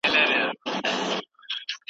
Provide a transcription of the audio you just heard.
غلام ته د ازادۍ زیری ورکړل شو.